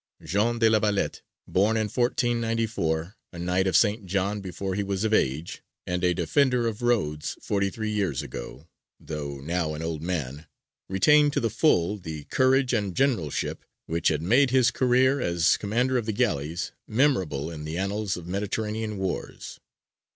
Jean de la Valette, born in 1494, a Knight of St. John before he was of age, and a defender of Rhodes forty three years ago, though now an old man retained to the full the courage and generalship which had made his career as commander of the galleys memorable in the annals of Mediterranean wars.